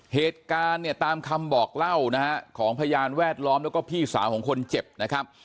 เหตุการณ์เนี่ยตามคำบอกเล่านะฮะของพยานแวดล้อมแล้วก็พี่สาวของคนเจ็บนะครับ